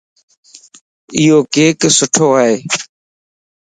ايو ڪيڪ سُٺو ائي.